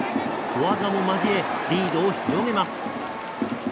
小技も交え、リードを広げます。